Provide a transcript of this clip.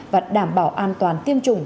và đảm bảo an toàn tiêm chủng